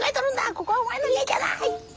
ここはお前の家じゃない！